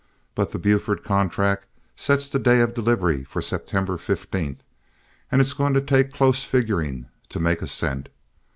But the Buford contract sets the day of delivery for September 15, and it's going to take close figuring to make a cent.